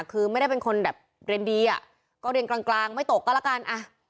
คือไม่ได้เป็นคนแบบเรียนดีอ่ะก็เรียนกลางไม่ตกก็แล้วกันอ่ะ